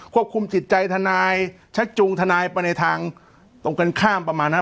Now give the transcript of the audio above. คุมจิตใจทนายชักจูงทนายไปในทางตรงกันข้ามประมาณนั้น